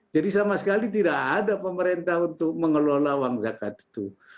jadi sama sekali tidak ada pemerintah untuk mengelola uang zakat itu